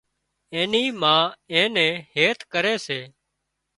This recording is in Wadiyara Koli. اين ما اين نين هيت ڪري سي